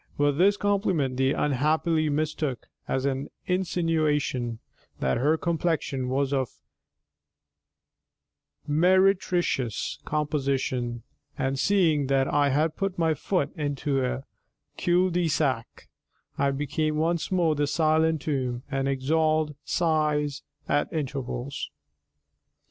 But this compliment she unhappily mistook as an insinuation that her complexion was of meretricious composition, and seeing that I had put my foot into a cul de sac, I became once more the silent tomb, and exhaled sighs at intervals.